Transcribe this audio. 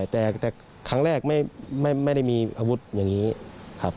แต่ครั้งแรกไม่ได้มีอาวุธอย่างนี้ครับ